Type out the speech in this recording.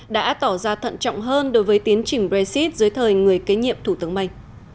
đã tỏ ra thận trọng hơn đối với tiến trình brexit dưới thời người kế nhiệm thủ tướng may